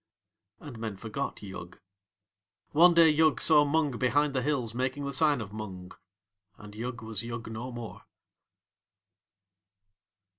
And men forgot Yug. One day Yug saw Mung behind the hills making the sign of Mung. And Yug was Yug no more.